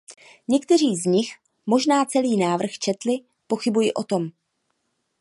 Někteří z nich možná celý návrh četli; pochybuji o tom.